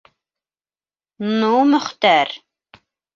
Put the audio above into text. -Ну, Мөхтәр!